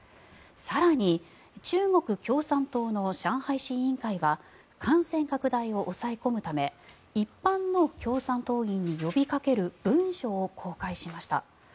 更に、中国共産党の上海市委員会は感染拡大を抑え込むため一般の共産党員に呼びかける文書を公開しました。